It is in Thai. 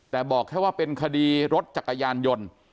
แต่บอกแค่ว่าเป็นคดีรถจักรยานยนต์